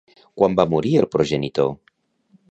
Quan va morir el progenitor?